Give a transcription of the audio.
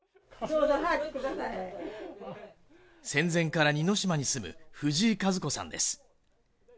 戦前から似島に住む冨士井和子さんです。